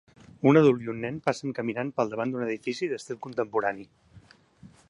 Un adult i un nen passen caminant pel davant d'un edifici d'estil contemporani.